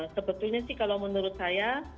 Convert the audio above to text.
sebetulnya sih kalau menurut saya